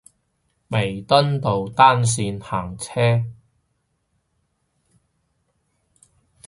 彌敦道單線行車